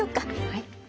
はい。